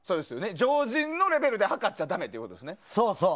常人のレベルで測っちゃダメってことですね。